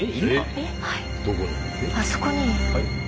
あそこに。